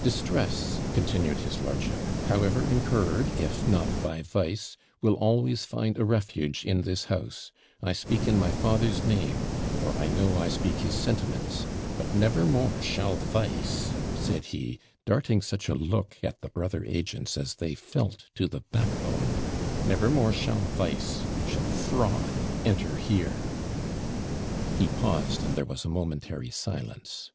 'Distress,' continued his lordship, 'however incurred, if not by vice, will always find a refuge in this house. I speak in my father's name, for I know I speak his sentiments. But never more shall vice,' said he, darting such a look at the brother agents as they felt to the backbone 'never more shall vice, shall fraud enter here.' He paused, and there was a momentary silence.